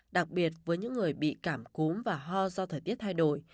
đặc biệt với những người bị cảm cúm và ho do thời tiết thay đổi